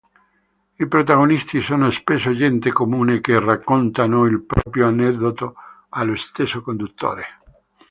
I protagonisti sono spesso gente comune che raccontano il proprio aneddoto allo stesso conduttore.